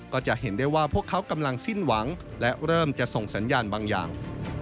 ก็จะเห็นได้ว่าพวกเขากำลังสิ้นหวังและเริ่มจะส่งสัญญาณบางอย่าง